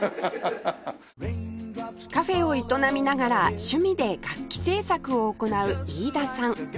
カフェを営みながら趣味で楽器製作を行う飯田さん